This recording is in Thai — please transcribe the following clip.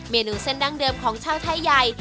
เมนูเส้นดั้งเดิมของชาวไทยใหญ่